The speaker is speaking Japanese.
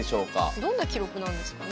どんな記録なんですかね。